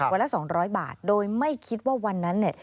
ละ๒๐๐บาทโดยไม่คิดว่าวันนั้นเนี่ย